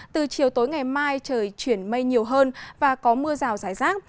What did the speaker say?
từ chiều tối ngày mai trời chuyển mây nhiều hơn và có mưa rào rải rác